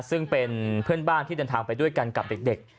ซึ่งเป็นเพื่อนบ้านที่เดินทางไปด้วยกันกับเด็ก